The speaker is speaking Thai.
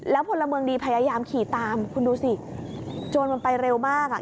พลเมืองดีพยายามขี่ตามคุณดูสิโจรมันไปเร็วมากอ่ะ